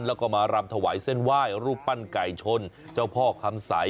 แล้วก็มารำถวายเส้นไหว้รูปปั้นไก่ชนเจ้าพ่อคำใส